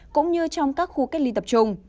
cũng như trong các khu cách ly tập trung